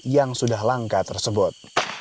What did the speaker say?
yang sudah langka tersebut